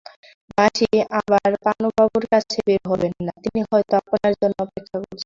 মাসি আবার পানুবাবুর কাছে বের হবেন না, তিনি হয়তো আপনার জন্যে অপেক্ষা করছেন।